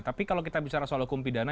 tapi kalau kita bicara soal hukum pidana